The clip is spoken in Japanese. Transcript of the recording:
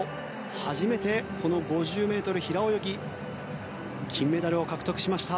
初めてこの５０ｍ平泳ぎ金メダルを獲得しました。